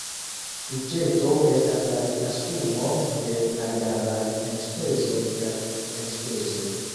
Buĝeto estas la tuta sumo de la jaraj enspezoj kaj elspezoj.